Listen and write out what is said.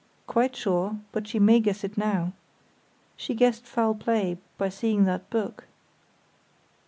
"Quite sure; but she may guess it now. She guessed foul play by seeing that book."